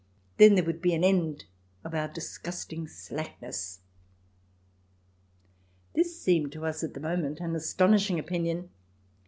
Then there would be an end of our disgusting slackness." This seemed to us at the moment an astonishing opinion.